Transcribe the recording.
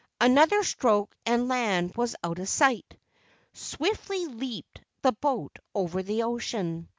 Another stroke and land was out of sight. Swiftly leaped the boat over the ocean.